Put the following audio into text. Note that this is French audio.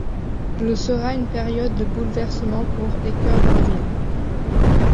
Le sera une période de bouleversement pour Équeurdreville.